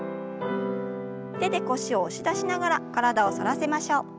手で腰を押し出しながら体を反らせましょう。